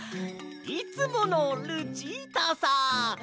いつものルチータさ！